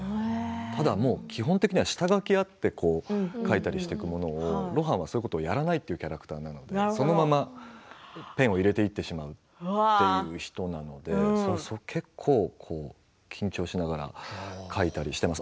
ただもう基本的には下書きがあって描いたりしていくのも露伴はそういうのをやらないという設定なのでそのままペンを入れていってしまうという人なので結構、緊張しながら描いたりしてます。